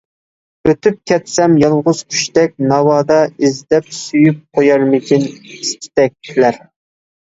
ئۆتۈپ كەتسەم يالغۇز قۇشتەك ناۋادا، ئىزدەپ سۆيۈپ قويارمىكىن ئىستەكلەر.